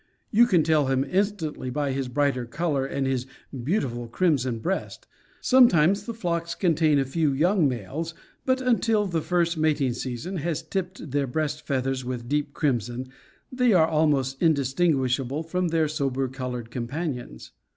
You can tell him instantly by his brighter color and his beautiful crimson breast. Sometimes the flocks contain a few young males, but until the first mating season has tipped their breast feathers with deep crimson they are almost indistinguishable from their sober colored companions.